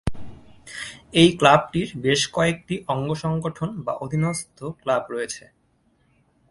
এই ক্লাবটির বেশ কয়েকটি অঙ্গ সংগঠন বা অধীনস্থ ক্লাব রয়েছে।